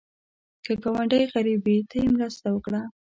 که ګاونډی غریب وي، ته یې مرسته وکړه